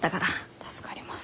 助かります。